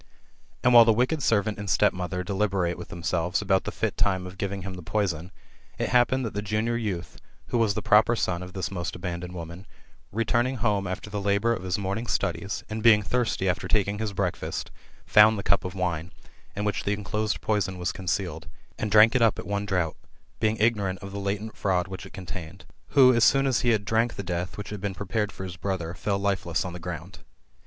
And while the wicked servant and stepmother delibeiate with themselves about the fit time«of giving him the poison, it hap pened that the junior youth, who was the proper son of this most abandoned woman, returning home after the labour of his morn ing studies, and being thirsty after taking his breakfast, found the cup of wine, in which the enclosed poison was concealed, and drank it up at one draught, being ignorant of the latent fmud which it contained ; who, as soon as he had drank the death which had been prepared for his brother, fell lifeless on the ground.